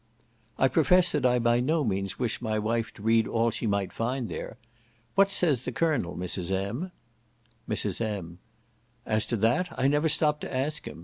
"I profess that I by no means wish my wife to read all she might find there.—What says the Colonel, Mrs. M.?" Mrs. M. "As to that, I never stop to ask him.